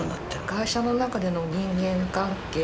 会社の中での人間関係。